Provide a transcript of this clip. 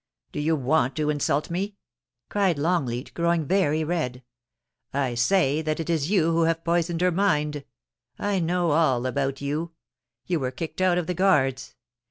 * Do you want to insult me ?* cried Longleat, growing very red. * I say that it is you who have poisoned her mind I know all about you. You were kicked out of the Guards.